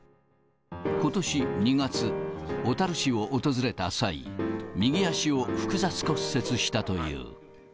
ことし２月、小樽市を訪れた際、右足を複雑骨折したという。